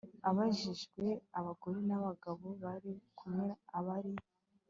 ababajijwe abagore n abagabo bari kumwe abari